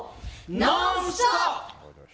「ノンストップ！」。